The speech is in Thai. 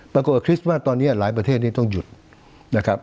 กับคริสต์มาสตอนนี้หลายประเทศนี้ต้องหยุดนะครับ